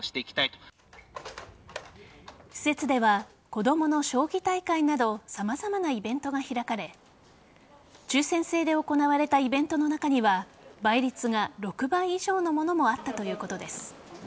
施設では子供の将棋大会など様々なイベントが開かれ抽選制で行われたイベントの中には倍率が６倍以上のものもあったということです。